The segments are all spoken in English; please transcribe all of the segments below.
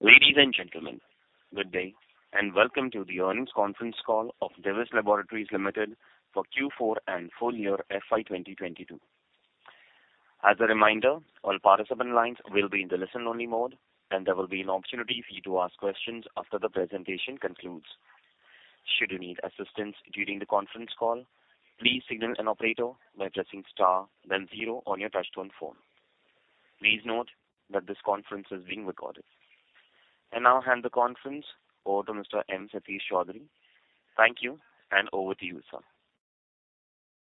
Ladies and gentlemen, good day, and welcome to the earnings conference call of Divi's Laboratories Limited for Q4 and full year FY 2022. As a reminder, all participant lines will be in the listen-only mode, and there will be an opportunity for you to ask questions after the presentation concludes. Should you need assistance during the conference call, please signal an operator by pressing Star then zero on your touchtone phone. Please note that this conference is being recorded. I now hand the conference over to Mr. M. Satish Choudhury. Thank you, and over to you, sir.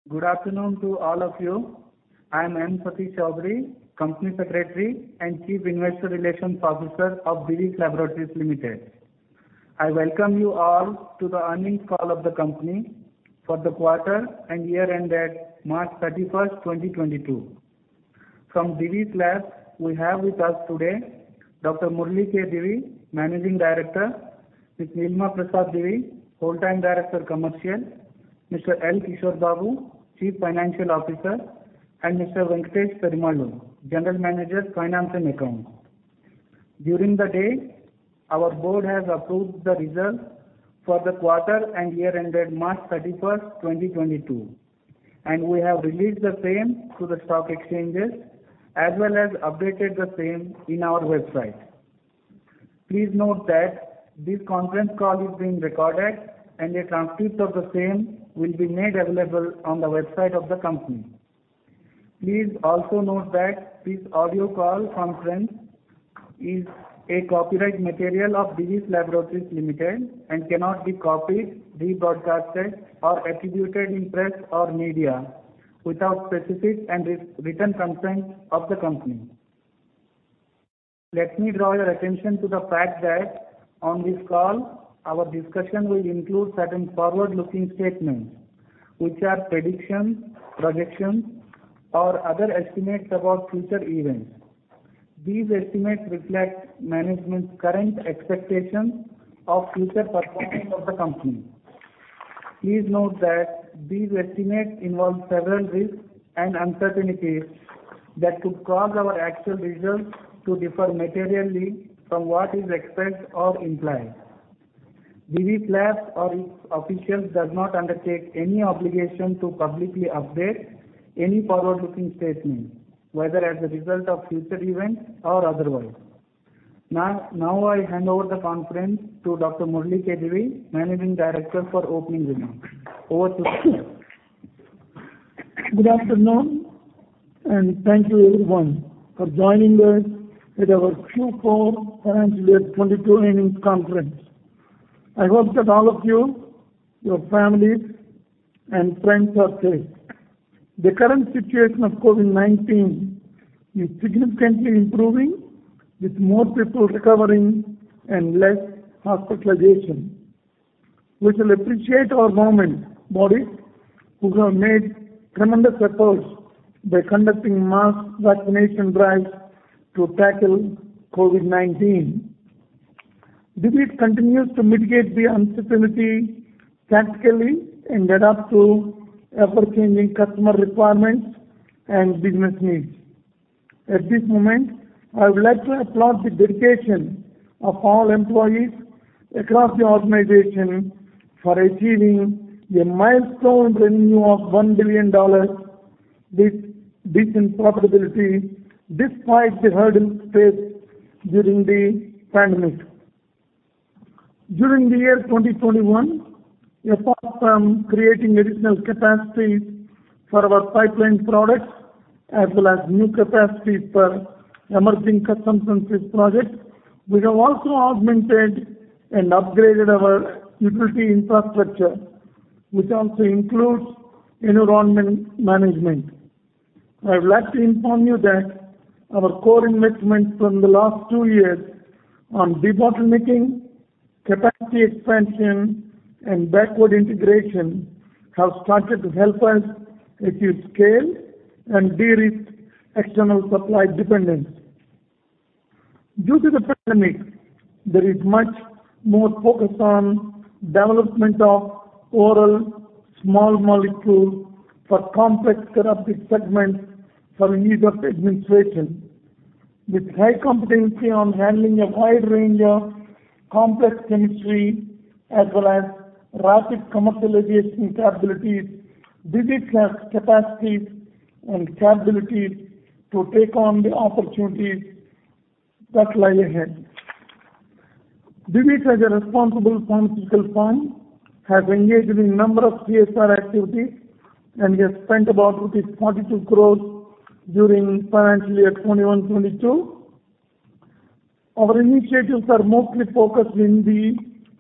Good afternoon to all of you. I am M. Satish Choudhury, Company Secretary and Chief Investor Relations Officer of Divi's Laboratories Limited. I welcome you all to the earnings call of the company for the quarter and year ended March 31, 2022. From Divi's Labs, we have with us today Dr. Murali K. Divi, Managing Director, Ms. Nilima Prasad Divi, Full-Time Director, Commercial, Mr. L. Kishore Babu, Chief Financial Officer, and Mr. Venkatesa Perumallu, General Manager, Finance and Accounts. Today, our board has approved the results for the quarter and year ended March 31, 2022, and we have released the same to the stock exchanges, as well as updated the same on our website. Please note that this conference call is being recorded and a transcript of the same will be made available on the website of the company. Please also note that this audio call conference is a copyright material of Divi's Laboratories Limited and cannot be copied, rebroadcast, or attributed in press or media without specific and written consent of the company. Let me draw your attention to the fact that on this call our discussion will include certain forward-looking statements, which are predictions, projections, or other estimates about future events. These estimates reflect management's current expectations of future performance of the company. Please note that these estimates involve several risks and uncertainties that could cause our actual results to differ materially from what is expressed or implied. Divi's Labs or its officials does not undertake any obligation to publicly update any forward-looking statement, whether as a result of future events or otherwise. Now I hand over the conference to Dr. Murali K. Divi, Managing Director, for opening remarks. Over to you. Good afternoon, and thank you everyone for joining us at our Q4 financial year 2022 earnings conference. I hope that all of you, your families, and friends are safe. The current situation of COVID-19 is significantly improving with more people recovering and less hospitalization. We shall appreciate our government bodies who have made tremendous efforts by conducting mass vaccination drives to tackle COVID-19. Divi's continues to mitigate the uncertainty tactically and adapt to ever-changing customer requirements and business needs. At this moment, I would like to applaud the dedication of all employees across the organization for achieving a milestone revenue of $1 billion with decent profitability despite the hurdles faced during the pandemic. During the year 2021, apart from creating additional capacity for our pipeline products as well as new capacity for emerging custom synthesis projects, we have also augmented and upgraded our utility infrastructure, which also includes environment management. I would like to inform you that our core investments from the last two years on debottlenecking, capacity expansion, and backward integration have started to help us achieve scale and de-risk external supply dependence. Due to the pandemic, there is much more focus on development of oral small molecule for complex therapeutic segments for indigenous administration. With high competency on handling a wide range of complex chemistry as well as rapid commercialization capabilities, Divi's has capacities and capabilities to take on the opportunities that lie ahead. Divi's, as a responsible pharmaceutical firm, has engaged in a number of CSR activities and has spent about rupees 42 crore during financial year 2021-22. Our initiatives are mostly focused in the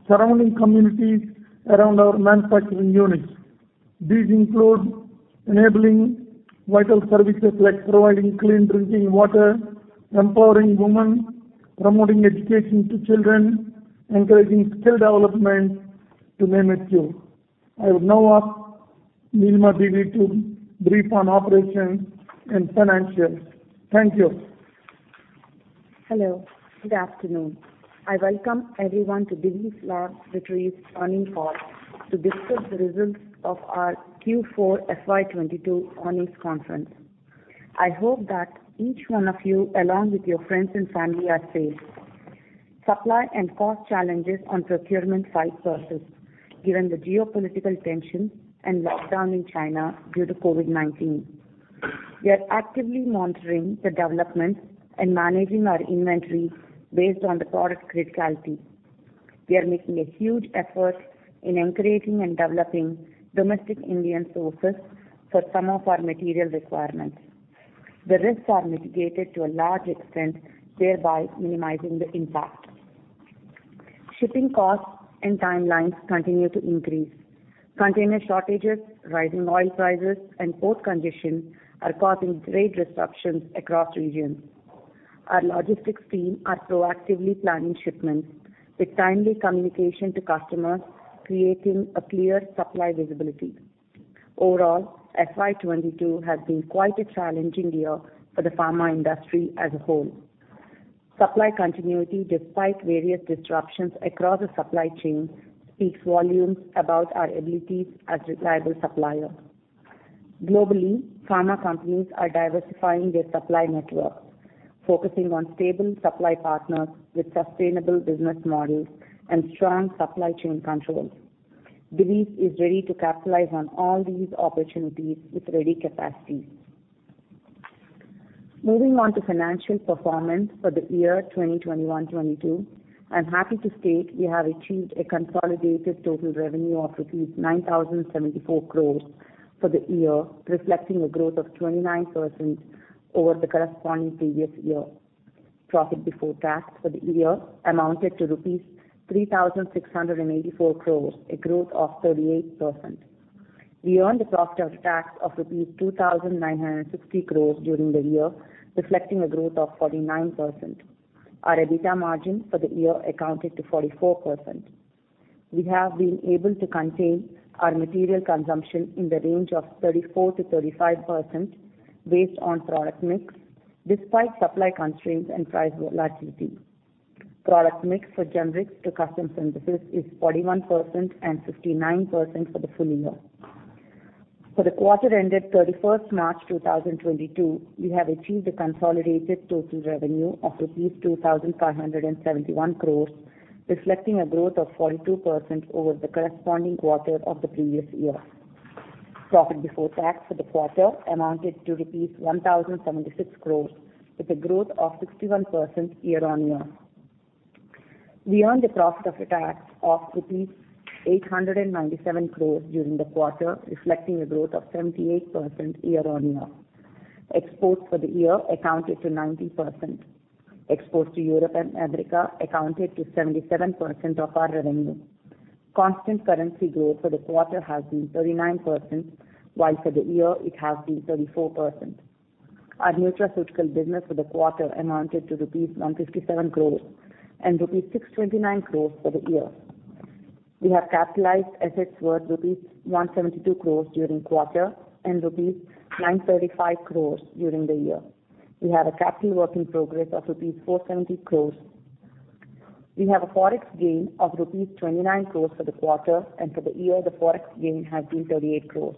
surrounding communities around our manufacturing units. These include enabling vital services like providing clean drinking water, empowering women, promoting education to children, encouraging skill development, to name a few. I would now ask Nilima Divi to brief on operations and financials. Thank you. Hello, good afternoon. I welcome everyone to Divi's Laboratories' earnings call to discuss the results of our Q4 FY 2022 earnings conference. I hope that each one of you, along with your friends and family, are safe. Supply and cost challenges on procurement side persist given the geopolitical tensions and lockdown in China due to COVID-19. We are actively monitoring the developments and managing our inventory based on the product criticality. We are making a huge effort in encouraging and developing domestic Indian sources for some of our material requirements. The risks are mitigated to a large extent, thereby minimizing the impact. Shipping costs and timelines continue to increase. Container shortages, rising oil prices, and port congestion are causing great disruptions across regions. Our logistics team are proactively planning shipments with timely communication to customers, creating a clear supply visibility. Overall, FY 22 has been quite a challenging year for the pharma industry as a whole. Supply continuity despite various disruptions across the supply chain speaks volumes about our abilities as reliable supplier. Globally, pharma companies are diversifying their supply network, focusing on stable supply partners with sustainable business models and strong supply chain controls. Divi's is ready to capitalize on all these opportunities with ready capacity. Moving on to financial performance for the year 2021-22. I'm happy to state we have achieved a consolidated total revenue of rupees 9,074 crore for the year, reflecting a growth of 29% over the corresponding previous year. Profit before tax for the year amounted to rupees 3,684 crore, a growth of 38%. We earned a profit after tax of rupees 2,960 crore during the year, reflecting a growth of 49%. Our EBITDA margin for the year accounted to 44%. We have been able to contain our material consumption in the range of 34%-35% based on product mix despite supply constraints and price volatility. Product mix for generics to custom synthesis is 41% and 59% for the full year. For the quarter ended March 31, 2022, we have achieved a consolidated total revenue of 2,571 crore, reflecting a growth of 42% over the corresponding quarter of the previous year. Profit before tax for the quarter amounted to rupees 1,076 crore with a growth of 61% year-on-year. We earned a profit after tax of 897 crores during the quarter, reflecting a growth of 78% year-on-year. Exports for the year accounted for 90%. Exports to Europe and America accounted for 77% of our revenue. Constant currency growth for the quarter has been 39%, while for the year it has been 34%. Our nutraceutical business for the quarter amounted to INR 157 crores and INR 629 crores for the year. We have capitalized assets worth INR 172 crores during quarter and INR 935 crores during the year. We have a capital work in progress of INR 470 crores. We have a Forex gain of INR 29 crores for the quarter, and for the year, the Forex gain has been 38 crores.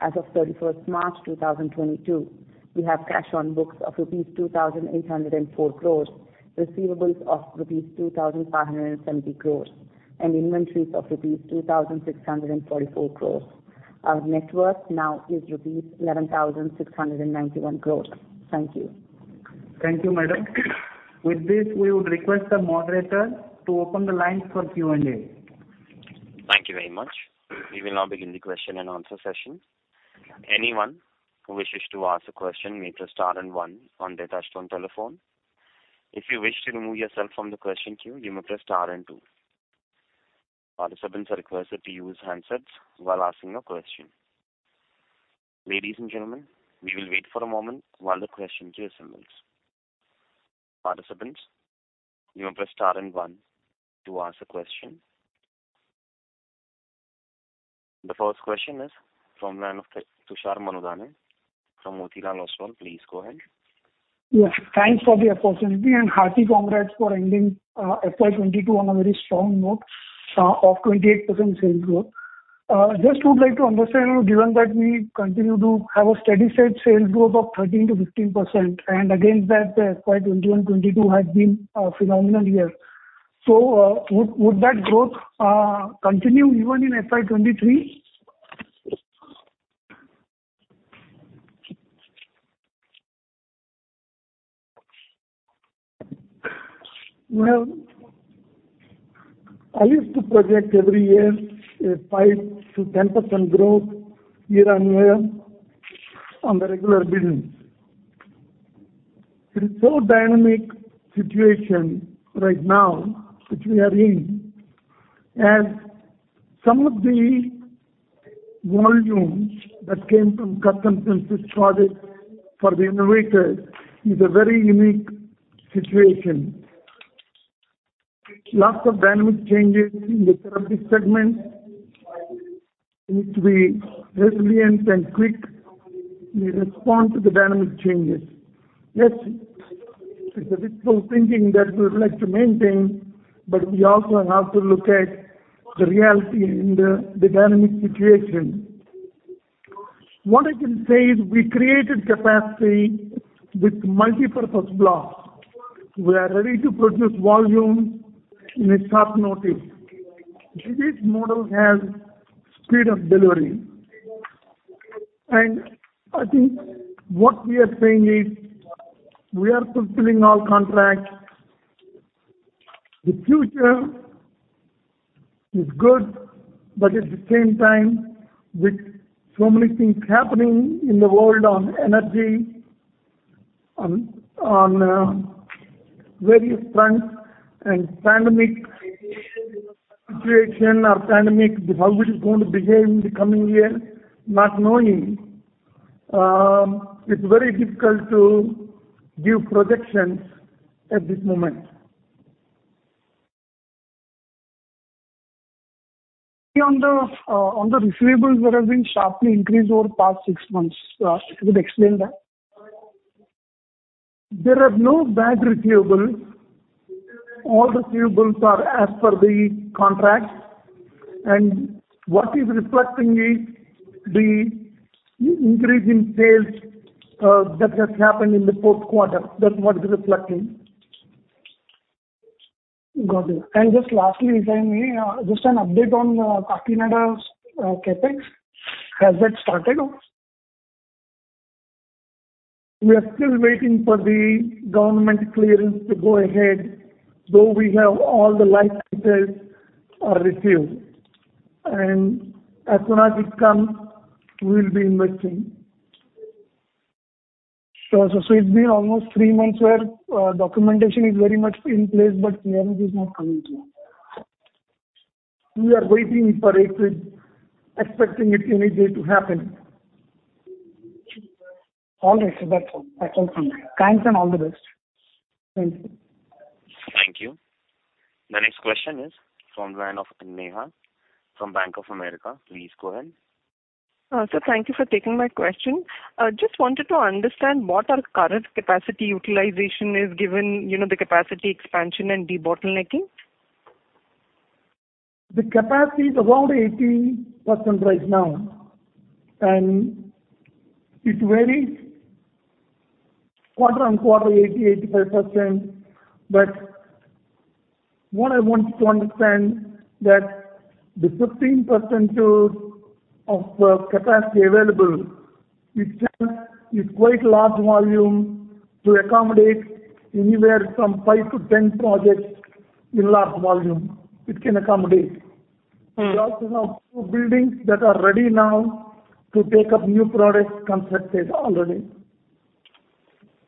As of 31st March 2022, we have cash on books of rupees 2,804 crores, receivables of rupees 2,570 crores, and inventories of rupees 2,644 crores. Our net worth now is rupees 11,691 crores. Thank you. Thank you, madam. With this, we would request the moderator to open the lines for Q&A. Thank you very much. We will now begin the question and answer session. Anyone who wishes to ask a question may press star and one on their touchtone telephone. If you wish to remove yourself from the question queue, you may press star and two. Participants are requested to use handsets while asking a question. Ladies and gentlemen, we will wait for a moment while the question queue assembles. Participants, you may press star and one to ask a question. The first question is from the line of Tushar Manudhane from Motilal Oswal. Please go ahead. Yes, thanks for the opportunity, and hearty congrats for ending FY 2022 on a very strong note of 28% sales growth. Just would like to understand, given that we continue to have a steady state sales growth of 13%-15%, and against that the FY 2021-22 has been a phenomenal year. Would that growth continue even in FY 2023? Well, I used to project every year a 5%-10% growth year-on-year on the regular business. It's such a dynamic situation right now which we are in, and some of the volumes that came from custom synthesis products for the innovator is a very unique situation. Lots of dynamic changes in the therapy segment. We need to be resilient and quick. We respond to the dynamic changes. Yes. It's a difficult thinking that we would like to maintain, but we also have to look at the reality in the dynamic situation. What I can say is we created capacity with multipurpose blocks. We are ready to produce volume in a short notice. This model has speed of delivery. I think what we are saying is we are fulfilling all contracts. The future is good, but at the same time, with so many things happening in the world on energy, on various fronts and pandemic situation or pandemic, how it is going to behave in the coming year, not knowing, it's very difficult to give projections at this moment. On the receivables that have been sharply increased over the past six months. Could you explain that? There are no bad receivables. All receivables are as per the contracts. What is reflecting is the increase in sales that has happened in the fourth quarter. That's what is reflecting. Got it. Just lastly, if I may, just an update on Kakinada's CapEx. Has that started? We are still waiting for the government clearance to go ahead, though we have all the licenses are received. As soon as it comes, we'll be investing. It's been almost three months where documentation is very much in place, but clearance is not coming through. We are waiting for it. Expecting it any day to happen. All right, sir. That's all from me. Thanks, and all the best. Thank you. Thank you. The next question is from the line of Neha from Bank of America. Please go ahead. Sir, thank you for taking my question. Just wanted to understand what our current capacity utilization is given, you know, the capacity expansion and debottlenecking. The capacity is around 80% right now, and it varies quarter-on-quarter, 80%-85%. What I want you to understand that the 15% of capacity available, it's quite large volume to accommodate anywhere from 5 to 10 projects in large volume. It can accommodate. Mm. We also have two buildings that are ready now to take up new projects constructed already.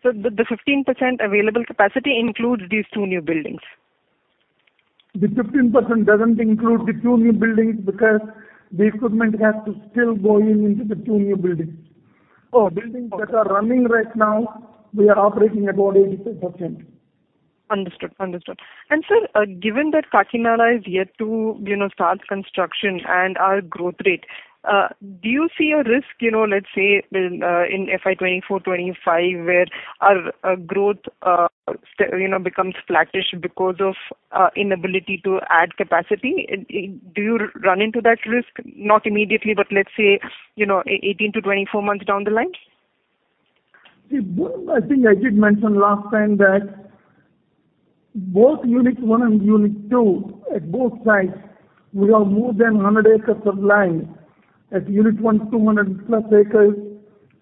The 15% available capacity includes these two new buildings? The 15% doesn't include the 2 new buildings because the equipment has to still go into the 2 new buildings. Oh, okay. Buildings that are running right now, we are operating about 80%. Understood. Sir, given that Kakinada is yet to, you know, start construction and our growth rate, do you see a risk, you know, let's say, in FY 2024/2025, where our growth, you know, becomes flattish because of inability to add capacity? Do you run into that risk? Not immediately, but let's say, you know, 18 to 24 months down the line? See, Neha, I think I did mention last time that both unit one and unit two at both sites, we have more than 100 acres of land. At unit one, 200+ acres,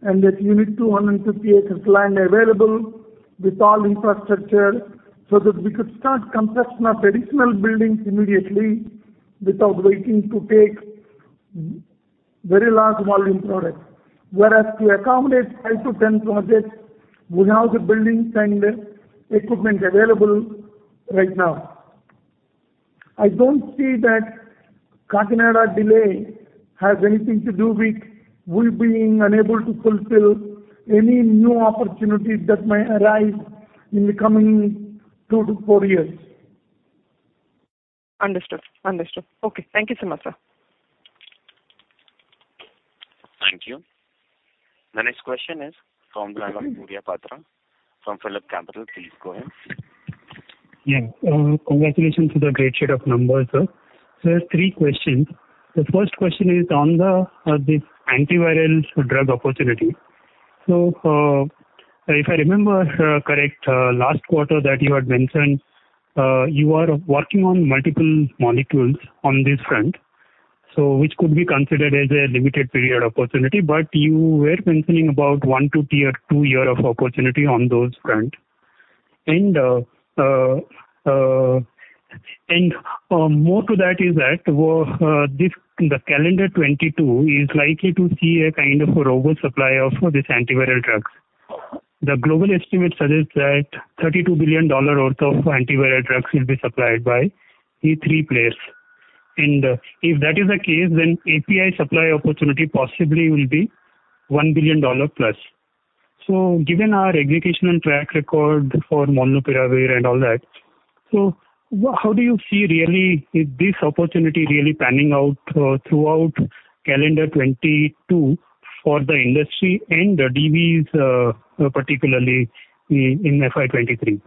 and at unit two, 150 acres land available with all infrastructure, so that we could start construction of additional buildings immediately without waiting to take very large volume products. Whereas to accommodate 5-10 projects, we have the buildings and equipment available right now. I don't see that Kakinada delay has anything to do with we being unable to fulfill any new opportunities that might arise in the coming 2-4 years. Understood. Okay. Thank you so much, sir. Thank you. The next question is from the line of Surya Patra from PhillipCapital. Please go ahead. Yeah. Congratulations on the great set of numbers, sir. I have three questions. The first question is on this antiviral drug opportunity. If I remember correct, last quarter that you had mentioned, you are working on multiple molecules on this front, so which could be considered as a limited period opportunity, but you were mentioning about 1-2 year of opportunity on those front. More to that is that, this, the calendar 2022 is likely to see a kind of oversupply of this antiviral drugs. The global estimate suggests that $32 billion worth of antiviral drugs will be supplied by the three players. If that is the case, then API supply opportunity possibly will be $1 billion plus. Given our execution and track record for Molnupiravir and all that, how do you see really is this opportunity really panning out throughout calendar 2022 for the industry and Divi's, particularly in FY 2023?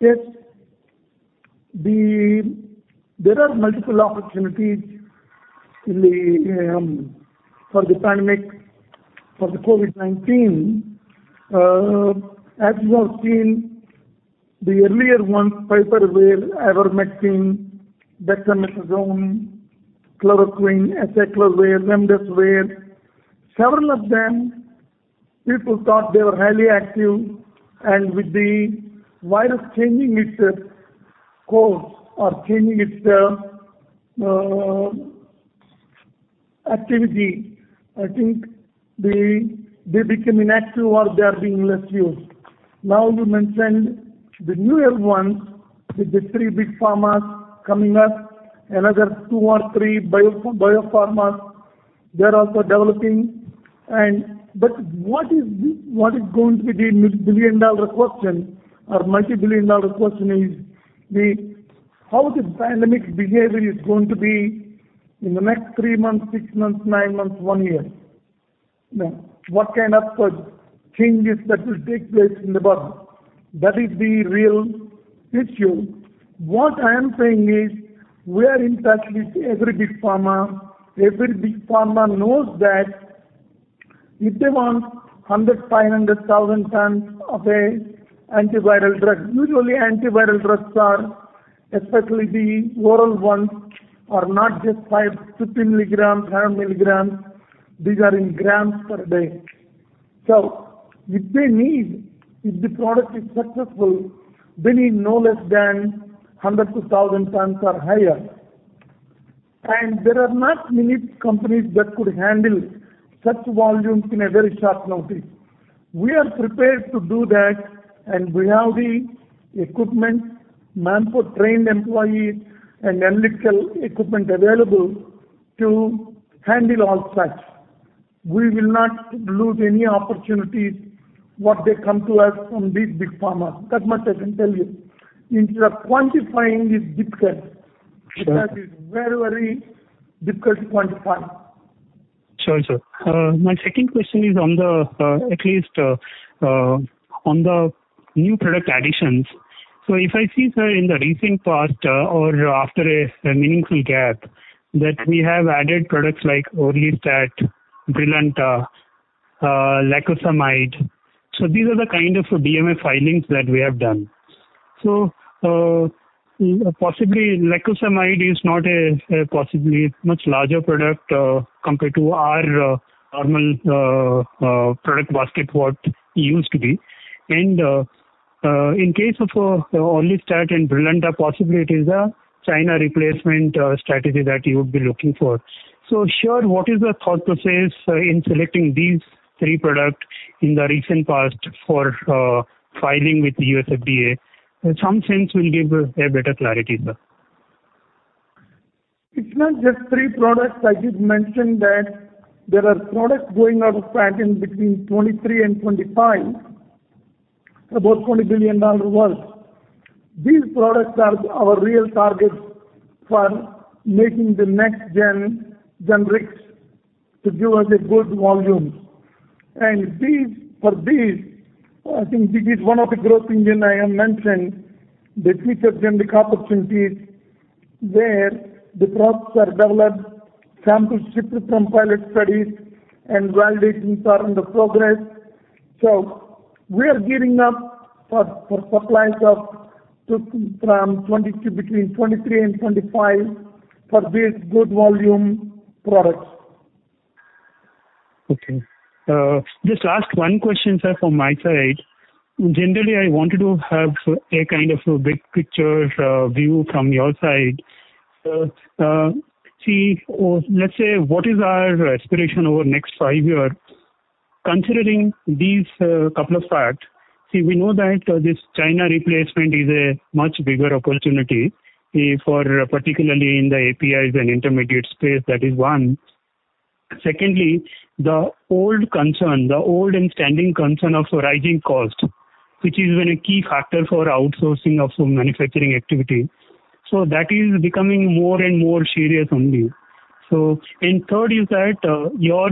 Yes. There are multiple opportunities in the for the pandemic, for the COVID-19. As you have seen the earlier ones, Piperacillin, Ivermectin, Dexamethasone, Chloroquine, Acyclovir, Remdesivir. Several of them, people thought they were highly active, and with the virus changing its course or changing its activity, I think they became inactive or they are being less used. Now, you mentioned the newer ones with the three big pharmas coming up. Another two or three biopharmas, they're also developing. What is going to be the billion dollar question or multibillion dollar question is the how the pandemic behavior is going to be in the next three months, six months, nine months, one year. Now, what kind of changes that will take place in the world? That is the real issue. What I am saying is we are in touch with every big pharma. Every big pharma knows that if they want 100, 500, 1,000 tons of an antiviral drug. Usually antiviral drugs are, especially the oral ones, are not just 5, 15 milligrams, 100 milligrams. These are in grams per day. So if they need, if the product is successful, they need no less than 100-1,000 tons or higher. There are not many companies that could handle such volumes in a very short notice. We are prepared to do that, and we have the equipment, trained employee, and analytical equipment available to handle all such. We will not lose any opportunities that come to us from these big pharmas. That much I can tell you. In terms of quantifying, it's difficult. Sure. That is very, very difficult to quantify. Sure, sir. My second question is on the new product additions. If I see, sir, in the recent past, or after a meaningful gap that we have added products like Orlistat, Brilinta, Lenalidomide. These are the kind of DMF filings that we have done. Possibly Lenalidomide is not a possibly much larger product, compared to our product basket, what used to be. In case of Orlistat and Brilinta, possibly it is a China replacement strategy that you would be looking for. Sure, what is your thought process in selecting these three products in the recent past for filing with the U.S. FDA? In some sense will give a better clarity, sir. It's not just 3 products. I did mention that there are products going out of patent between 2023 and 2025, about $20 billion worth. These products are our real targets for making the next-gen generics to give us a good volume. These, for these, I think this is one of the growth engines I have mentioned, the future generic opportunities, where the products are developed, samples shifted from pilot studies and validations are under progress. We are gearing up for supplies from 2022 between 2023 and 2025 for these good volume products. Okay. Just to ask one question, sir, from my side. Generally, I wanted to have a kind of a big picture view from your side. Let's say, what is our aspiration over next five years? Considering these couple of facts. We know that this China replacement is a much bigger opportunity for particularly in the APIs and intermediate space. That is one. Secondly, the old and standing concern of rising cost, which is been a key factor for outsourcing of manufacturing activity. That is becoming more and more serious only. Third is that your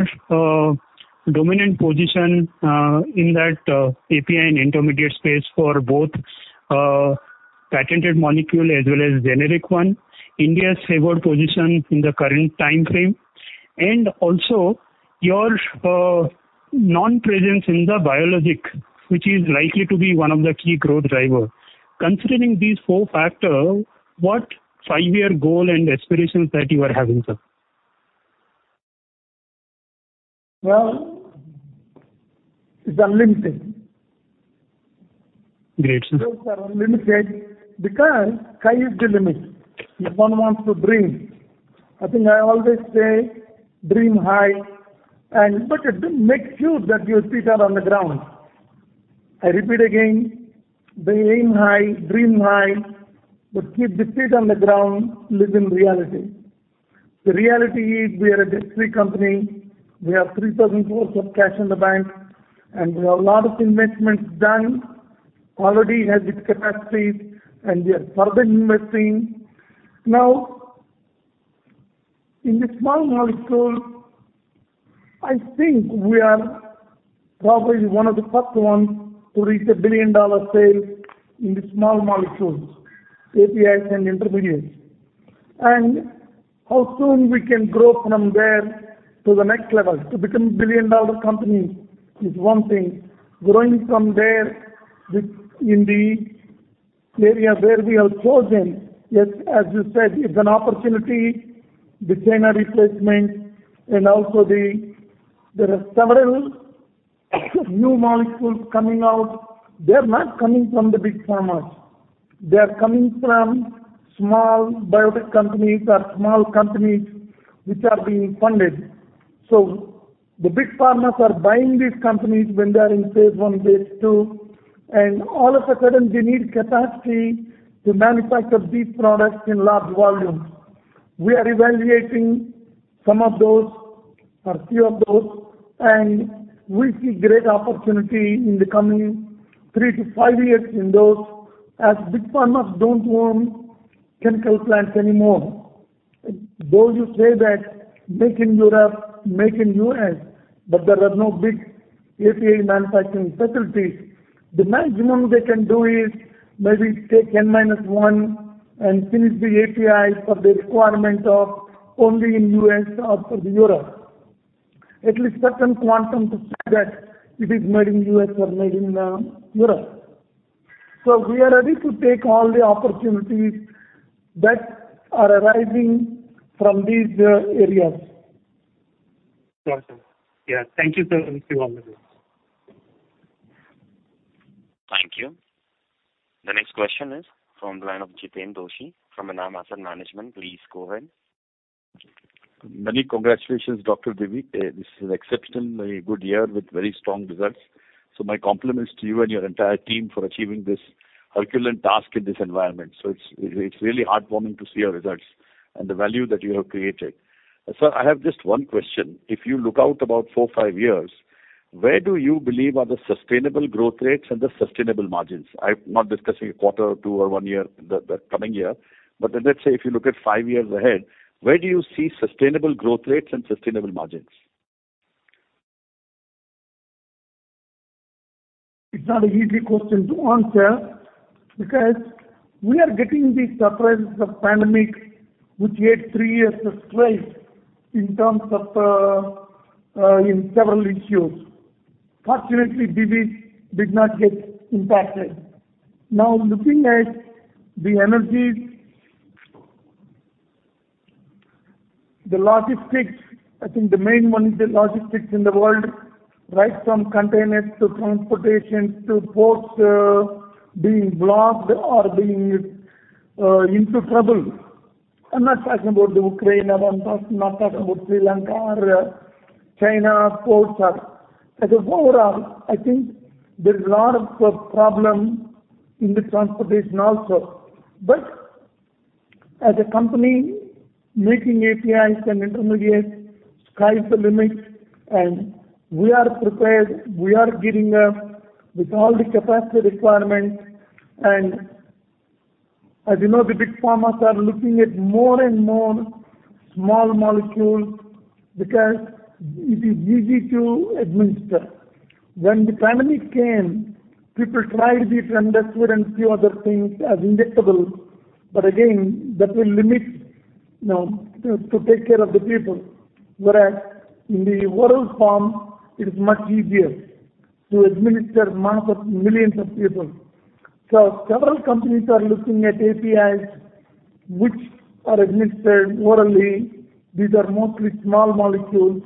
dominant position in that API and intermediate space for both patented molecule as well as generic one. India's favored position in the current timeframe, and also your non-presence in the biologics, which is likely to be one of the key growth drivers. Considering these four factors, what five-year goals and aspirations that you are having, sir? Well, it's unlimited. Great, sir. Those are unlimited because sky is the limit. If one wants to dream, I think I always say dream high, but make sure that your feet are on the ground. I repeat again, dream high, but keep the feet on the ground, live in reality. The reality is we are a debt-free company. We have 3,000 crore of cash in the bank, and we have a lot of investments done. We already have capacities, and we are further investing. Now, in the small molecules, I think we are probably one of the first ones to reach $1 billion sales in the small molecules, APIs and intermediates. How soon we can grow from there to the next level. To become a $1 billion company is one thing. Growing from there in the areas where we have chosen, yes, as you said, it's an opportunity, designer replacement, and also the. There are several new molecules coming out. They're not coming from the big pharmas. They are coming from small biotech companies or small companies which are being funded. The big pharmas are buying these companies when they are in phase I, phase II, and all of a sudden they need capacity to manufacture these products in large volumes. We are evaluating some of those or few of those, and we see great opportunity in the coming three to five years in those as big pharmas don't own chemical plants anymore. Though you say that make in Europe, make in U.S., but there are no big API manufacturing facilities. The maximum they can do is maybe take N-1 and finish the API for the requirement of only in U.S. or for the Europe. At least certain quantum to say that it is made in U.S. or made in Europe. We are ready to take all the opportunities that are arising from these areas. Got it. Yeah. Thank you, sir. See you all again. Thank you. The next question is from the line of Jiten Doshi from ENAM Asset Management. Please go ahead. Many congratulations, Dr. Murali K. Divi. This is exceptionally good year with very strong results. My compliments to you and your entire team for achieving this herculean task in this environment. It's really heartwarming to see your results and the value that you have created. Sir, I have just one question. If you look out about 4, 5 years, where do you believe are the sustainable growth rates and the sustainable margins? I'm not discussing a quarter or 2 or 1 year, the coming year. Let's say if you look at 5 years ahead, where do you see sustainable growth rates and sustainable margins? It's not an easy question to answer because we are getting the surprise of pandemic, which hit three years straight in terms of several issues. Fortunately, Divi did not get impacted. Now, looking at the energies, the logistics, I think the main one is the logistics in the world, right from containers to transportation to ports, being blocked or being in trouble. I'm not talking about the Ukraine. I'm not talking about Sri Lanka or China ports or. Overall, I think there is a lot of problem in the transportation also. As a company making APIs and intermediates, sky is the limit, and we are prepared. We are gearing up with all the capacity requirements. As you know, the big pharmas are looking at more and more small molecules because it is easy to administer. When the pandemic came, people tried these Remdesivir and few other things as injectable. Again, that will limit, you know, to take care of the people. Whereas in the oral form, it is much easier to administer mass of millions of people. Several companies are looking at APIs which are administered orally. These are mostly small molecules,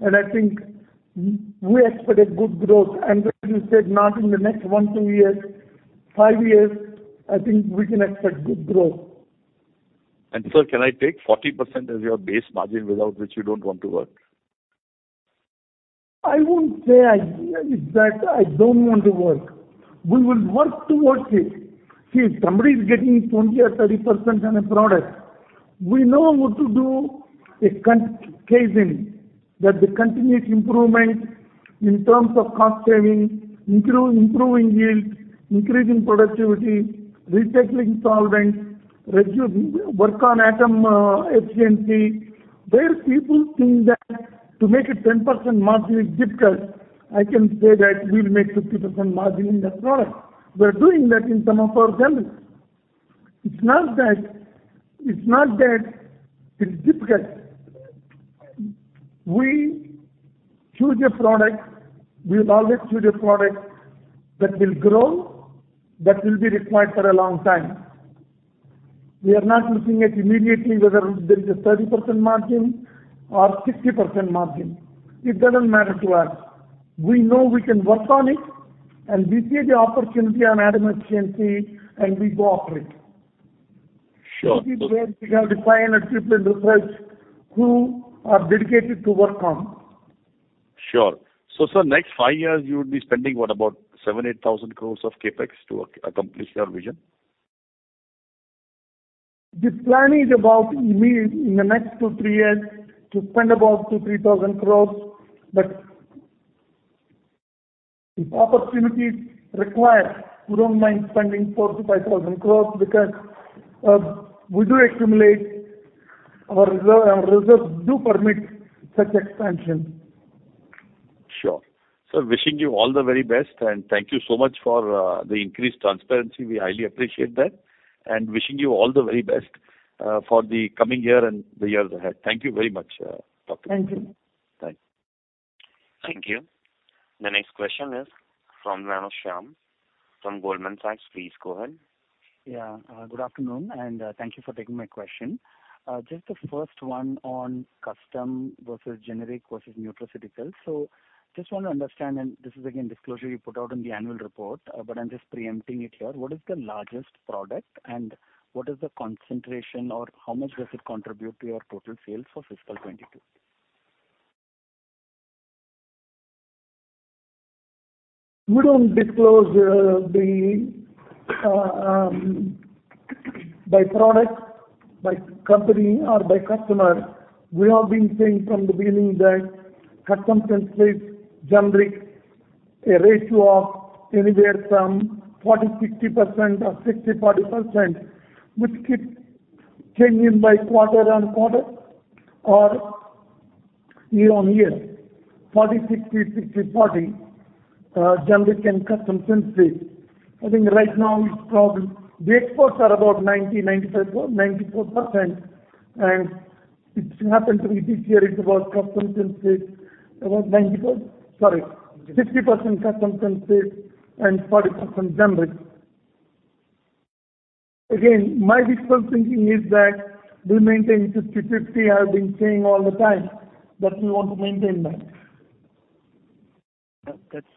and I think we expect a good growth. As you said, not in the next 1, 2 years, 5 years, I think we can expect good growth. Sir, can I take 40% as your base margin without which you don't want to work? I won't say ideally that I don't want to work. We will work towards it. See, if somebody is getting 20% or 30% on a product, we know what to do Kaizen, that the continuous improvement in terms of cost saving, improving yield, increasing productivity, recycling solvents, work on atom efficiency. Where people think that to make a 10% margin is difficult, I can say that we'll make 50% margin in that product. We're doing that in some of our chemistries. It's not that, it's not that it's difficult. We choose a product. We'll always choose a product that will grow, that will be required for a long time. We are not looking at immediately whether there's a 30% margin or 60% margin. It doesn't matter to us. We know we can work on it, and we see the opportunity on atom efficiency, and we go after it. Sure. People where we have the scientific research who are dedicated to work on. Sure. Sir, next 5 years you would be spending what about 7,000 crore-8,000 crore of CapEx to accomplish your vision? This plan is about immediately in the next 2-3 years to spend about 2,000-3,000 crores. If opportunities require, we don't mind spending 4,000-5,000 crores because we do accumulate our reserve. Our reserves do permit such expansion. Sure. Sir, wishing you all the very best and thank you so much for the increased transparency. We highly appreciate that and wishing you all the very best for the coming year and the years ahead. Thank you very much, Dr. Divi. Thank you. Thanks. Thank you. The next question is from Shyam Srinivasan from Goldman Sachs. Please go ahead. Yeah. Good afternoon, and thank you for taking my question. Just the first one on custom versus generic versus nutraceutical. Just want to understand, and this is again, disclosure you put out in the annual report, but I'm just preempting it here. What is the largest product and what is the concentration or how much does it contribute to your total sales for fiscal 2022? We don't disclose by product, by company or by customer. We have been saying from the beginning that custom synthesis, generic, a ratio of anywhere from 40-50% or 60/40%, which keep changing by quarter on quarter or year on year. 40/60/40, generic and custom synthesis. I think right now it's probably the exports are about 90-95, 94%. It happened to be this year it was custom synthesis about 94%. Sorry. 60% custom synthesis and 40% generic. Again, my visceral thinking is that we maintain 50/50. I've been saying all the time that we want to maintain that. That's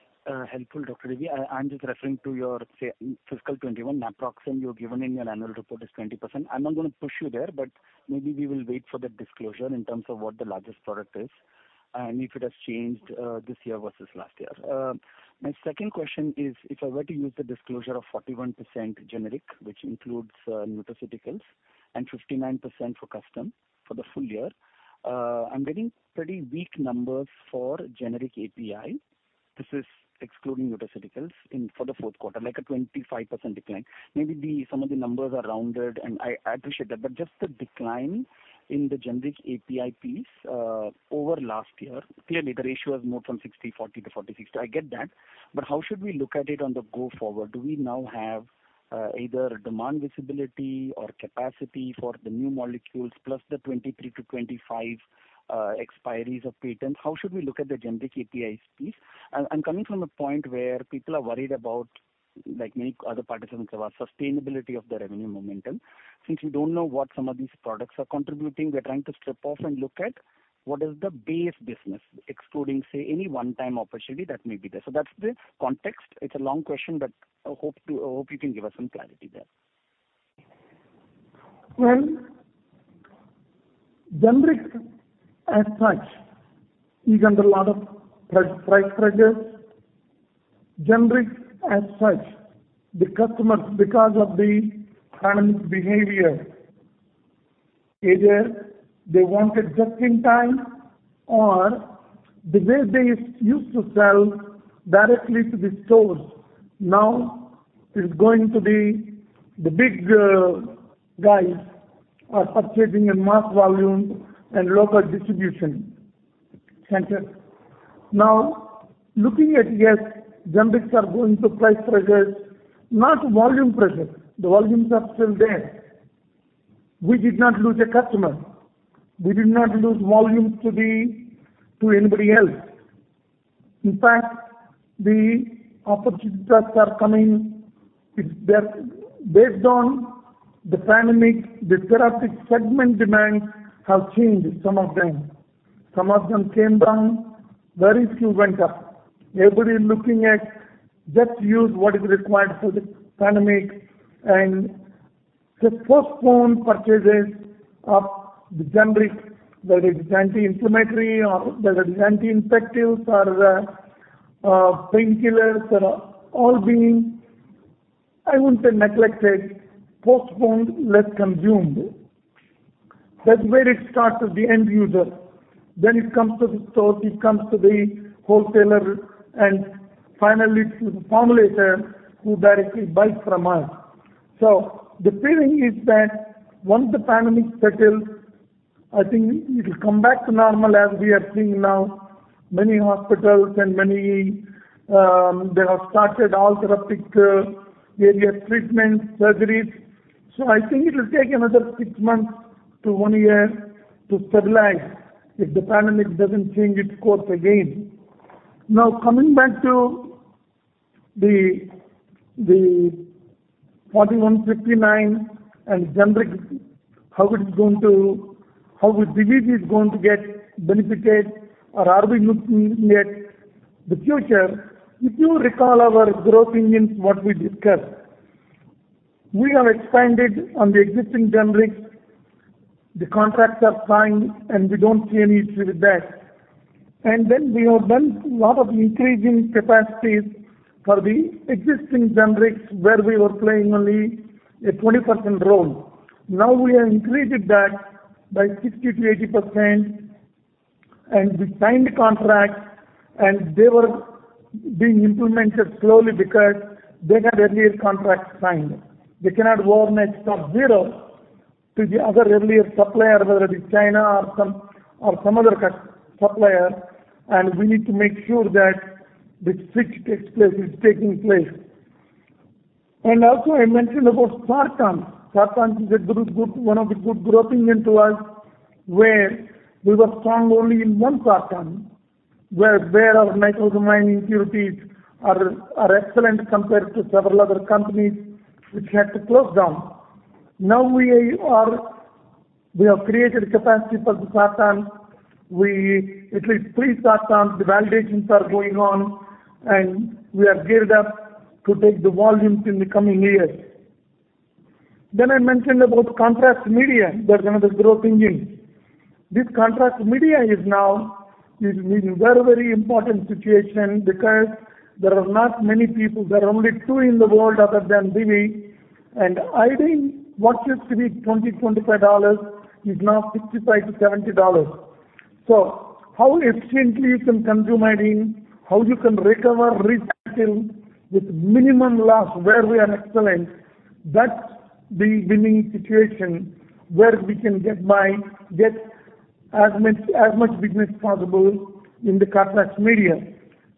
helpful, Dr. Divi. I'm just referring to your, say, fiscal 2021 Naproxen you've given in your annual report is 20%. I'm not gonna push you there, but maybe we will wait for that disclosure in terms of what the largest product is and if it has changed this year versus last year. My second question is, if I were to use the disclosure of 41% generic, which includes nutraceuticals and 59% for custom for the full year, I'm getting pretty weak numbers for generic API. This is excluding nutraceuticals in for the fourth quarter, like a 25% decline. Maybe some of the numbers are rounded and I appreciate that. But just the decline in the generic API piece over last year. Clearly the ratio has moved from 60/40 to 40/60. I get that. How should we look at it going forward? Do we now have either demand visibility or capacity for the new molecules plus the 23-25 expiries of patents? How should we look at the generic APIs piece? I'm coming from a point where people are worried about, like many other participants, about sustainability of the revenue momentum. Since we don't know what some of these products are contributing, we are trying to strip off and look at what is the base business excluding, say, any one-time opportunity that may be there. That's the context. It's a long question, but I hope you can give us some clarity there. Well, generics as such are under a lot of price pressures. Generics as such the customers, because of the pandemic behavior, either they want it just in time or the way they used to sell directly to the stores now is going to be the big guys are purchasing in mass volume and local distribution centers. Yes, generics are going through price pressures, not volume pressures. The volumes are still there. We did not lose a customer. We did not lose volumes to anybody else. In fact, the opportunities are coming. It's that based on the pandemic, the therapeutic segment demand have changed some of them. Some of them came down, very few went up. Everybody is looking at just use what is required for the pandemic and just postpone purchases of the generic, whether it is anti-inflammatory or whether it is anti-infectives or, painkillers are all being, I wouldn't say neglected, postponed, less consumed. That's where it starts with the end user. It comes to the stores, it comes to the wholesaler and finally to the formulator who directly buys from us. The feeling is that once the pandemic settles, I think it'll come back to normal as we are seeing now many hospitals and many, they have started all therapeutic areas, treatments, surgeries. I think it'll take another six months to one year to stabilize if the pandemic doesn't change its course again. Now, coming back to the 4,159 and generic, how it is going to. How will Divi's get benefited or are we looking at the future? If you recall our growth engines, what we discussed. We have expanded on the existing generics. The contracts are signed, and we don't see any issue with that. Then we have done a lot of increasing capacities for the existing generics where we were playing only a 20% role. Now we have increased that by 60%-80%, and we signed the contract, and they were being implemented slowly because they had earlier contract signed. They cannot abruptly stop supply to the other earlier supplier, whether it is China or some, or some other supplier. We need to make sure that the switch takes place, is taking place. Also, I mentioned about Sartan. Sartan is a good one of the good growth engine to us, where we were strong only in one Sartan, where our microdomain impurities are excellent compared to several other companies which had to close down. Now we have created capacity for the Sartan. We have at least three Sartan, the validations are going on, and we are geared up to take the volumes in the coming years. I mentioned about contrast media. That's another growth engine. This contrast media is now very important situation because there are not many people. There are only two in the world other than Divi, and iodine what used to be $25 is now $55-$70. How efficiently you can consume iodine, how you can recover, recycle with minimum loss where we are excellent, that's the winning situation where we can get as much business possible in the contrast media.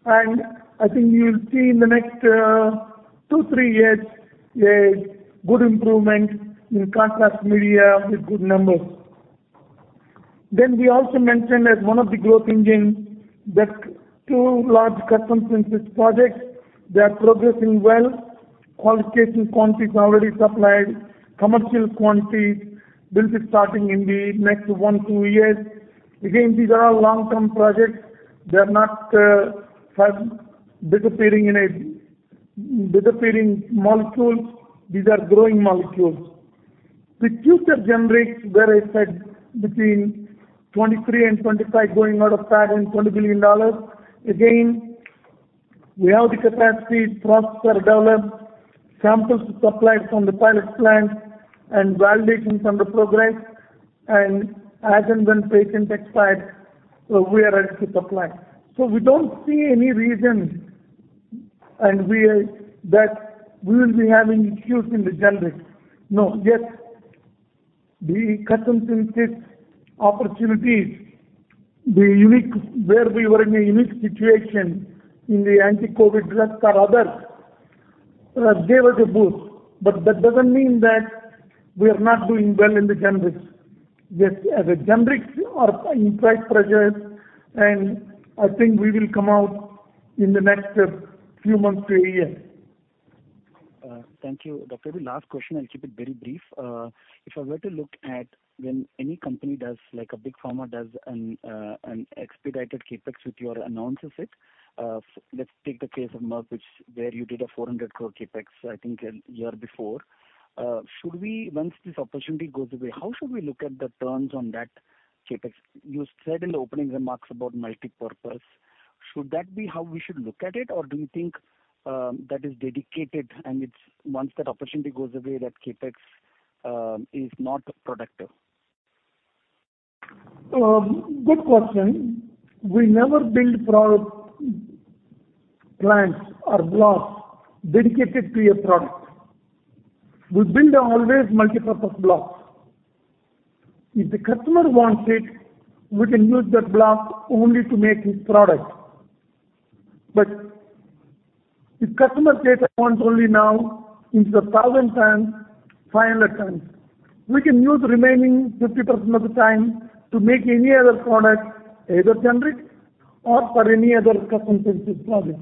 I think you'll see in the next 2-3 years a good improvement in contrast media with good numbers. We also mentioned as one of the growth engine that 2 large custom synthesis projects, they are progressing well. Qualification quantities already supplied. Commercial quantities will be starting in the next 1-2 years. Again, these are all long-term projects. They are not disappearing molecules. These are growing molecules. The future generics, where I said between 2023 and 2025 going out of patent, $20 billion. Again, we have the capacity, processes are developed, samples supplied from the pilot plant and validations under progress. As and when patent expires, we are ready to supply. We don't see any reason that we will be having issues in the generics. No. Yes, the custom synthesis opportunities, the unique where we were in a unique situation in the anti-COVID drugs or others, gave us a boost. That doesn't mean that we are not doing well in the generics. Yes, the generics are in price pressures, and I think we will come out in the next few months to a year. Thank you. Dr. Divi, last question, I'll keep it very brief. If I were to look at when any company does like a big pharma does an expedited CapEx when you announce it, let's take the case of Merck, which you did a 400 crore CapEx, I think a year before. Should we once this opportunity goes away, how should we look at the return on that CapEx? You said in the opening remarks about multipurpose. Should that be how we should look at it, or do you think that is dedicated and it's once that opportunity goes away that CapEx is not productive? Good question. We never build pilot plants or blocks dedicated to a product. We build always multipurpose blocks. If the customer wants it, we can use that block only to make his product. But if customer says I want only 1,000 times, 500 times, we can use remaining 50% of the time to make any other product, either generic or for any other custom synthesis project.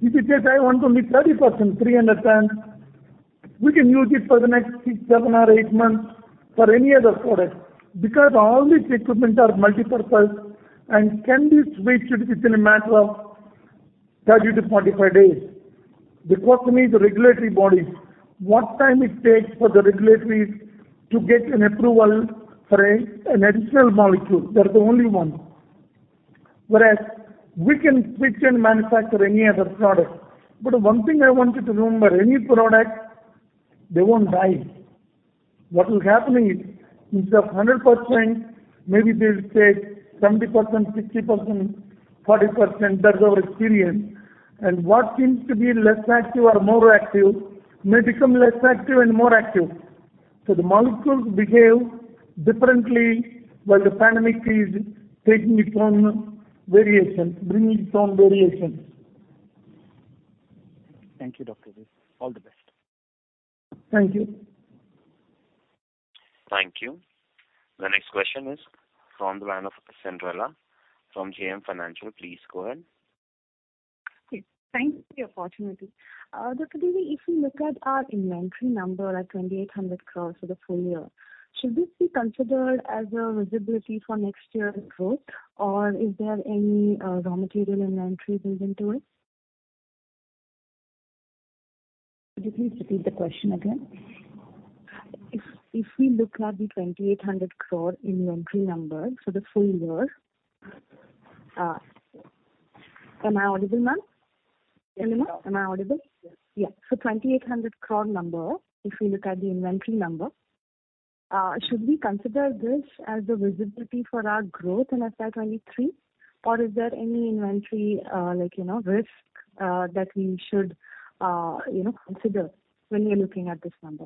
If he says, "I want only 30%, 300 times," we can use it for the next 6, 7 or 8 months for any other product. Because all these equipment are multipurpose and can be switched within a matter of 30-45 days. The bottleneck is the regulatory bodies. What time it takes for the regulators to get an approval for an additional molecule. They're the only one. Whereas we can switch and manufacture any other product. One thing I want you to remember, any product, they won't die. What will happen is instead of 100%, maybe they'll take 70%, 60%, 40%. That's our experience. What seems to be less active or more active may become less active and more active. The molecules behave differently while the pandemic is taking it from variation, bringing some variations. Thank you, Dr. Divi. All the best. Thank you. Thank you. The next question is from the line of Cyndrella Carvalho from JM Financial. Please go ahead. Yes. Thank you for the opportunity. Dr. Divi, if we look at our inventory number at 2,800 crores for the full year, should this be considered as a visibility for next year's growth or is there any raw material inventory built into it? Could you please repeat the question again? If we look at the 2,800 crore inventory number for the full year, Am I audible, ma'am? Nilima, am I audible? Yes. Yeah. 2,800 crore number, if we look at the inventory number, should we consider this as the visibility for our growth in FY 2023? Or is there any inventory, like, you know, risk, that we should, you know, consider when we are looking at this number?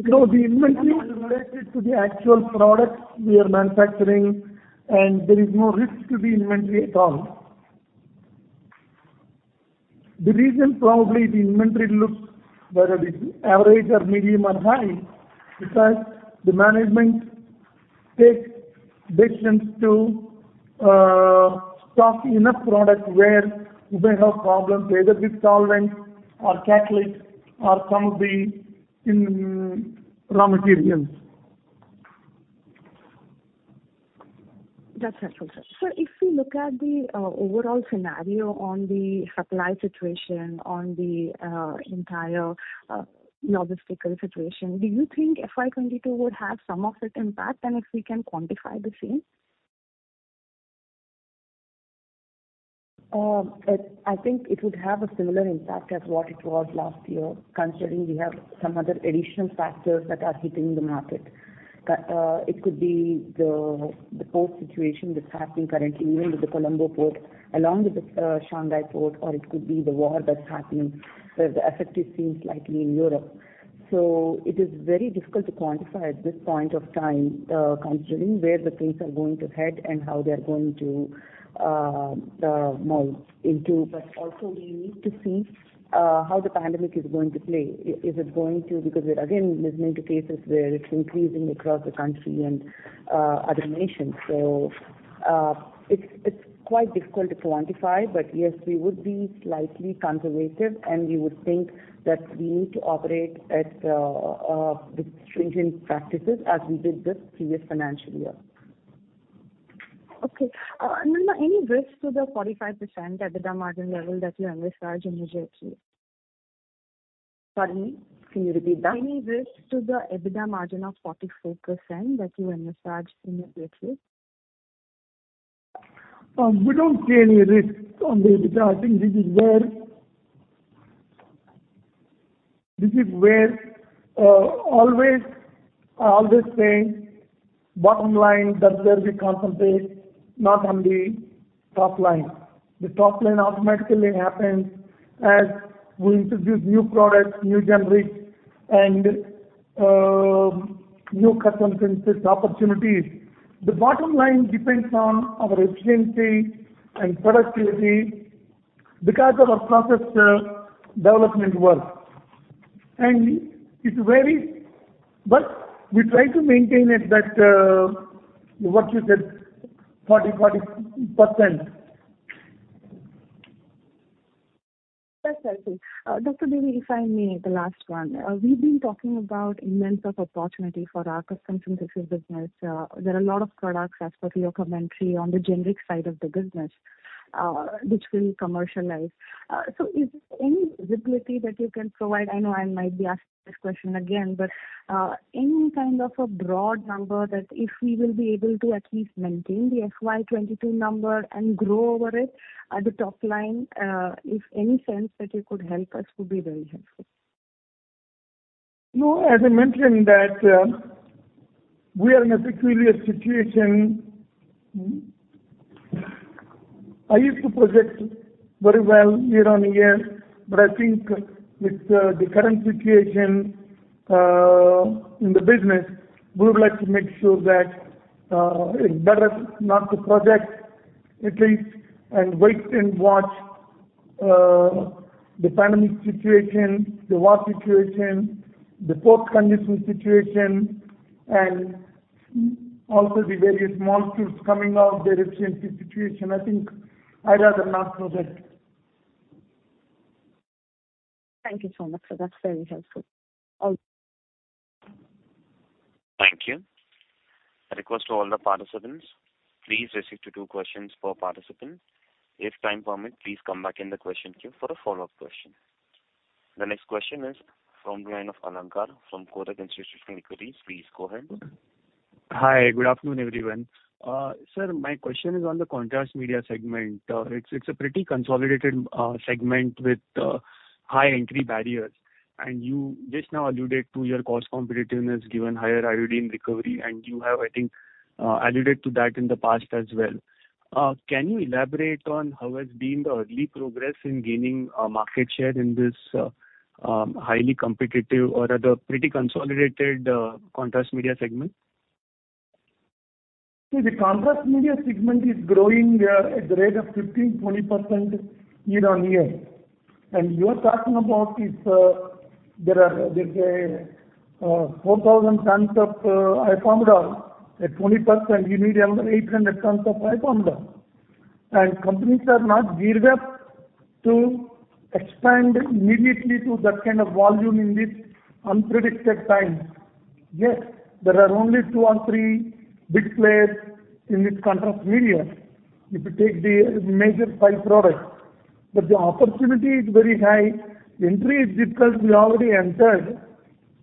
No, the inventory is related to the actual product we are manufacturing, and there is no risk to the inventory at all. The reason probably the inventory looks whether it is average or median or high is because the management takes decisions to stock enough product where we may have problems either with solvent or catalyst or some of the raw materials. That's helpful, sir. If we look at the overall scenario on the supply situation, on the entire logistical situation, do you think FY 22 would have some of it impact, and if we can quantify the same? I think it would have a similar impact as what it was last year, considering we have some other additional factors that are hitting the market. It could be the port situation that's happening currently, even with the Colombo port, along with the Shanghai port, or it could be the war that's happening, where the effect is seen slightly in Europe. It is very difficult to quantify at this point of time, considering where the things are going to head and how they're going to melt into. Also we need to see how the pandemic is going to play. Is it going to? Because again, there's many cases where it's increasing across the country and other nations. It's quite difficult to quantify. Yes, we would be slightly conservative, and we would think that we need to operate at with stringent practices as we did this previous financial year. Okay. Nilima, any risk to the 45% EBITDA margin level that you envisioned initially? Pardon me. Can you repeat that? Any risk to the EBITDA margin of 44% that you envisaged initially? We don't see any risk on the EBITDA. I think this is where I always say bottom line that's where we concentrate, not on the top line. The top line automatically happens as we introduce new products, new generics, and new custom synthesis opportunities. The bottom line depends on our efficiency and productivity because of our process development work. It varies, but we try to maintain it that what you said, 40%. That's helpful. Dr. Murali K. Divi, if I may, the last one. We've been talking about immense opportunity for our custom synthesis business. There are a lot of products as per your commentary on the generic side of the business, which will commercialize. Is there any visibility that you can provide? I know I might be asking this question again. Any kind of a broad number that if we will be able to at least maintain the FY 22 number and grow over it at the top line, if any sense that you could help us would be very helpful. No, as I mentioned that, we are in a peculiar situation. I used to project very well year on year. I think with the current situation in the business, we would like to make sure that it's better not to project at least, and wait and watch the pandemic situation, the war situation, the port congestion situation, and also the various molecules coming out, their efficiency situation. I think I'd rather not project. Thank you so much, sir. That's very helpful. All the best. Thank you. A request to all the participants. Please restrict to two questions per participant. If time permit, please come back in the question queue for a follow-up question. The next question is from the line of Alankar from Kotak Institutional Equities. Please go ahead. Hi. Good afternoon, everyone. Sir, my question is on the contrast media segment. It's a pretty consolidated segment with high entry barriers. You just now alluded to your cost competitiveness given higher iodine recovery, and you have, I think, alluded to that in the past as well. Can you elaborate on how has been the early progress in gaining market share in this highly competitive or rather pretty consolidated contrast media segment? See, the contrast media segment is growing at the rate of 15-20% year-on-year. You are talking about if there are, let's say, 4,000 tons of Iopamidol. At 20%, you need around 800 tons of Iopamidol. Companies are not geared up to expand immediately to that kind of volume in this unprecedented time. Yes, there are only two or three big players in this contrast media, if you take the major five products. The opportunity is very high. Entry is difficult. We already entered.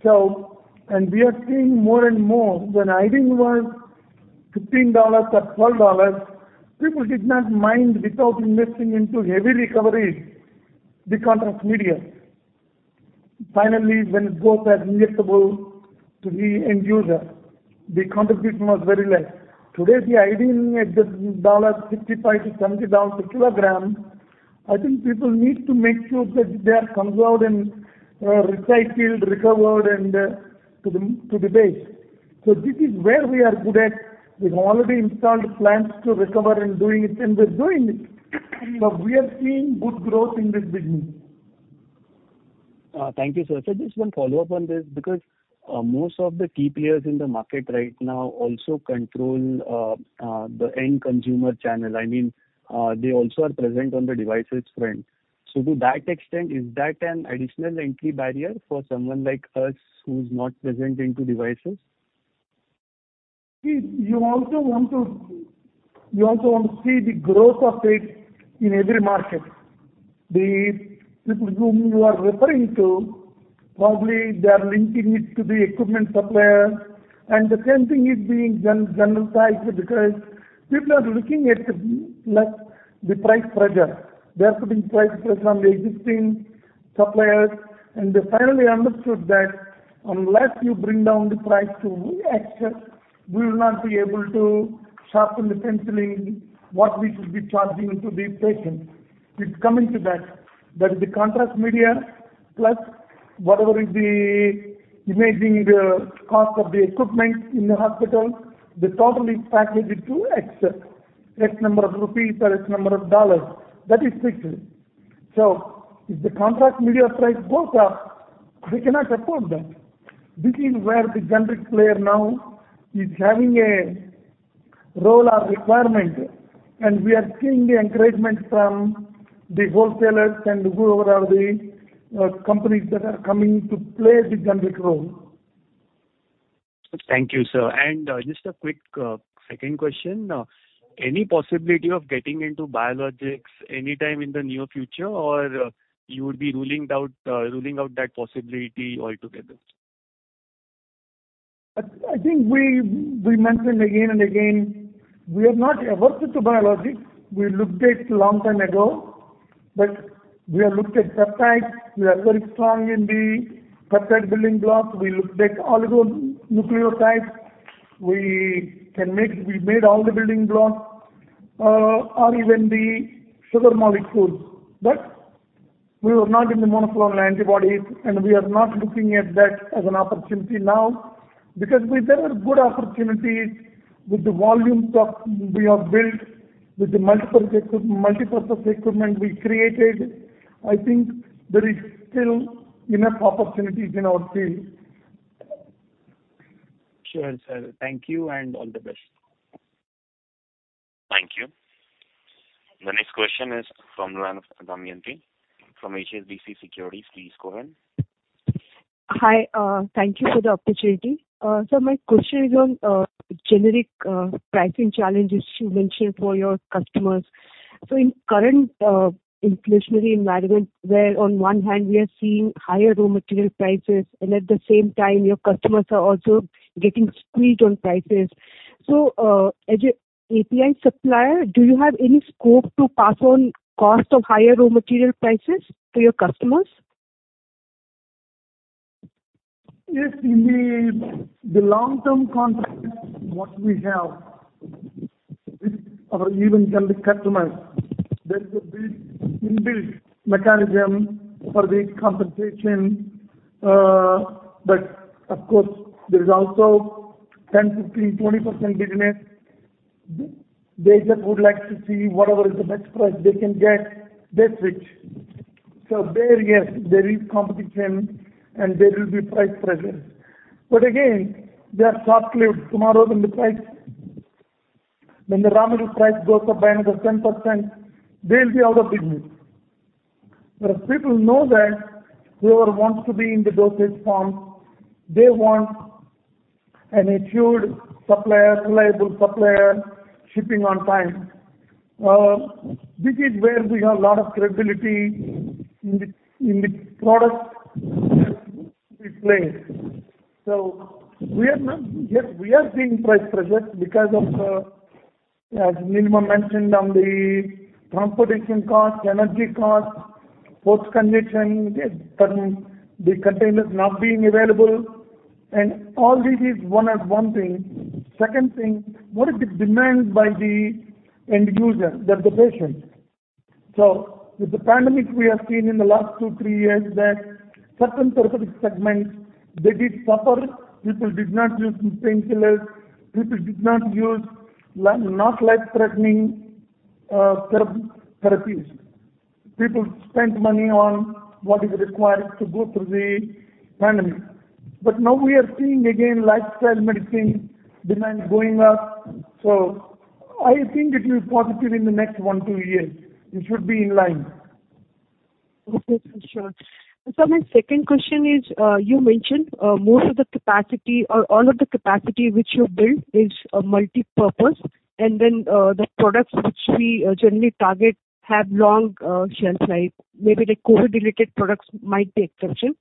So we are seeing more and more. When iodine was $15 or $12, people did not mind without investing into heavy recoveries, the contrast media. Finally, when it goes as injectable to the end user, the contribution was very less. Today, the iodine at the $55-$70 per kilogram. I think people need to make sure that they are conserved and recycled, recovered and to the base. This is where we are good at. We've already installed plants to recover and doing it, and we're doing it. We are seeing good growth in this business. Thank you, sir. Sir, just one follow-up on this because most of the key players in the market right now also control the end consumer channel. I mean, they also are present on the devices front. To that extent, is that an additional entry barrier for someone like us who's not present into devices? You also want to see the growth of it in every market. The people whom you are referring to, probably they are linking it to the equipment supplier. The same thing is being generalized because people are looking at, like, the price pressure. They are putting price pressure on the existing suppliers, and they finally understood that unless you bring down the price to X, we will not be able to sharpen the penciling what we should be charging to the patient. It's coming to that. That is the contrast media plus whatever is the imaging, the cost of the equipment in the hospital. They totally package it to X. X number of rupees or X number of dollars. That is fixed. If the contrast media price goes up, they cannot afford that. This is where the generic player now is having a role or requirement, and we are seeing the encouragement from the wholesalers and whoever are the companies that are coming to play the generic role. Thank you, sir. Just a quick second question. Any possibility of getting into biologics anytime in the near future, or you would be ruling out that possibility altogether? I think we've mentioned again and again we are not averse to biologics. We looked at a long time ago, but we have looked at peptides. We are very strong in the peptide building blocks. We looked at oligonucleotide. We made all the building blocks or even the sugar molecules. We were not in the monoclonal antibodies, and we are not looking at that as an opportunity now because there are good opportunities with the volumes we've built, with the multiples of equipment we created. I think there is still enough opportunities in our field. Sure, sir. Thank you and all the best. Thank you. The next question is from Damayanti Kerai from HSBC Securities. Please go ahead. Hi. Thank you for the opportunity. My question is on generic pricing challenges you mentioned for your customers. In current inflationary environment, where on one hand we are seeing higher raw material prices and at the same time your customers are also getting squeezed on prices. As a API supplier, do you have any scope to pass on cost of higher raw material prices to your customers? Yes. In the long-term contracts what we have with our even generic customers, there is a built-in mechanism for the compensation. But of course there is also 10%, 15%, 20% business. They just would like to see whatever is the best price they can get. That's it. There, yes, there is competition, and there will be price pressure. But again, they are short-lived. Tomorrow when the raw material price goes up by another 10%, they'll be out of business. Whereas people know that whoever wants to be in the dosage form, they want an assured supplier, reliable supplier, shipping on time. This is where we have a lot of credibility in the product we play. We are not. Yes, we are seeing price pressure because of, as Nilima mentioned on the transportation cost, energy cost, post condition, the containers not being available, and all these is one thing. Second thing, what is the demand by the end user, the patient? With the pandemic, we have seen in the last 2-3 years that certain therapeutic segments, they did suffer. People did not use painkillers. People did not use not life-threatening therapies. People spent money on what is required to go through the pandemic. Now we are seeing again lifestyle medicine demand going up. I think it will be positive in the next 1-2 years. It should be in line. Okay, sure. My second question is, you mentioned most of the capacity or all of the capacity which you built is a multipurpose and then, the products which we generally target have long shelf life. Maybe the COVID-19-related products might be exception.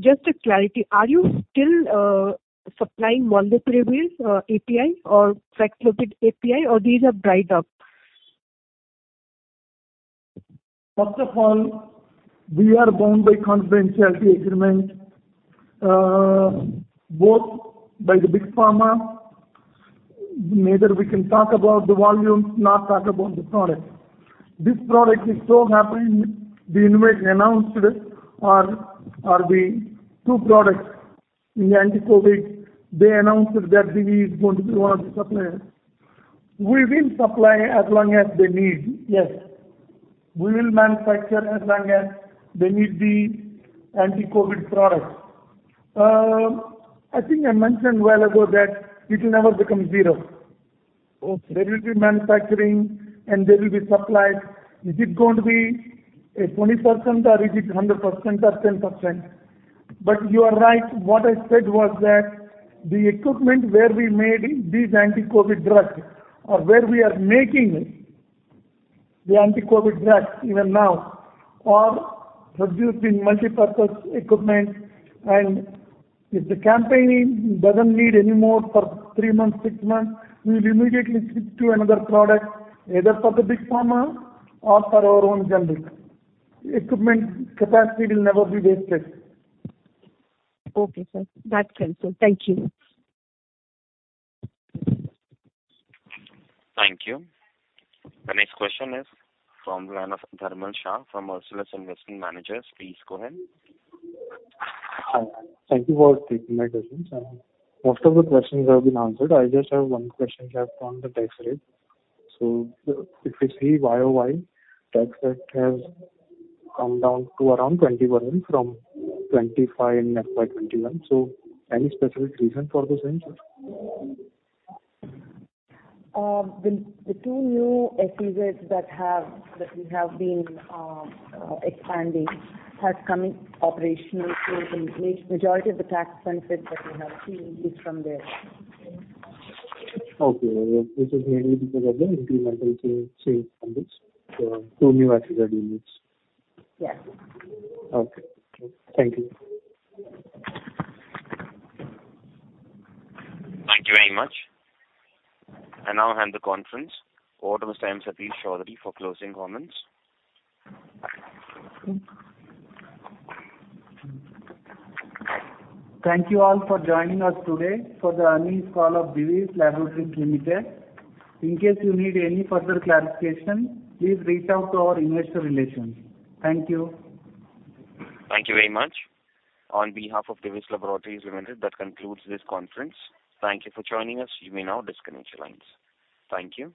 Just a clarity, are you still supplying Molnupiravir API or Paxlovid API, or these are dried up? First of all, we are bound by confidentiality agreement, both by the big pharma. Neither we can talk about the volumes nor talk about the product. This product is so happening, we even announced it. One of the two products in the anti-COVID. They announced that Divi's is going to be one of the suppliers. We will supply as long as they need. Yes. We will manufacture as long as they need the anti-COVID products. I think I mentioned a while ago that it will never become zero. Okay. There will be manufacturing and there will be supply. Is it going to be a 20% or is it 100% or 10%? But you are right. What I said was that the equipment where we made these anti-COVID-19 drugs or where we are making the anti-COVID-19 drugs even now are produced in multipurpose equipment. If the campaign doesn't need any more for three months, six months, we will immediately switch to another product, either for the big pharma or for our own generic. Equipment capacity will never be wasted. Okay, sir. That's clear, sir. Thank you. Thank you. The next question is from the line of Dharmil Shah from Marcellus Investment Managers. Please go ahead. Hi. Thank you for taking my questions. Most of the questions have been answered. I just have one question left on the tax rate. If you see YOY, tax rate has come down to around 21% from 25% in FY 2021. Any specific reason for this change, sir? The two new SEZs that we have been expanding has come in operational. The majority of the tax benefits that we have seen is from there. Okay. This is mainly because of the incremental change from these two new SEZ units. Yes. Okay. Thank you. Thank you very much. I now hand the conference over to Mr. M. Satish Choudhury for closing comments. Thank you all for joining us today for the earnings call of Divi's Laboratories Limited. In case you need any further clarification, please reach out to our investor relations. Thank you. Thank you very much. On behalf of Divi's Laboratories Limited, that concludes this conference. Thank you for joining us. You may now disconnect your lines. Thank you.